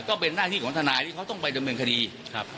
ก็เป็นหน้าที่ของน้านทนายอีกเขาเรียกว่าต้องไปดำเนินคดี